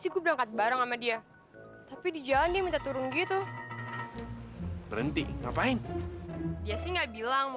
kakak franco udah terokeirin lu